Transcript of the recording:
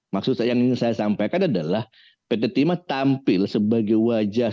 maksud saya yang ingin saya sampaikan adalah pt timah tampil sebagai wajah